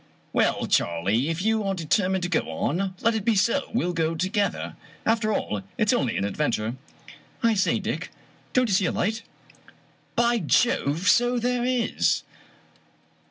"Well, Charley, if you are determined to go on, let it be so. We'll go together. After all, it's only an adven ture." " I say, Dick, don't you see a light? "" By Jove, so there is